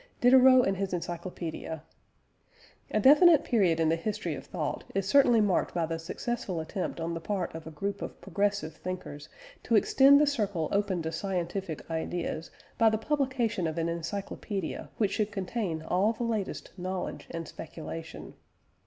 DIDEROT AND HIS ENCYCLOPÆDIA. A definite period in the history of thought is certainly marked by the successful attempt on the part of a group of progressive thinkers, to extend the circle open to scientific ideas by the publication of an Encyclopædia which should contain all the latest knowledge and speculation.